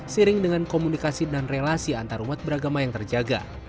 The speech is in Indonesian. sering dengan komunikasi dan relasi antarumat beragama yang terjaga